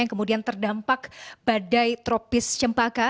yang kemudian terdampak badai tropis cempaka